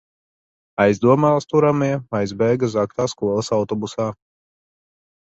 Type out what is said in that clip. Aizdomās turamie aizbēga zagtā skolas autobusā.